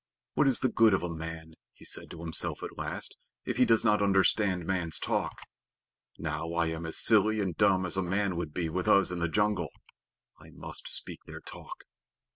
"What is the good of a man," he said to himself at last, "if he does not understand man's talk? Now I am as silly and dumb as a man would be with us in the jungle. I must speak their talk."